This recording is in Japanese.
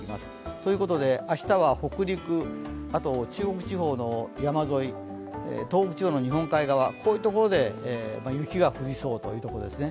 ということで明日は北陸、あと中国地方の山沿い、東北地方の日本海側、こういう所で雪が降りそうということですね。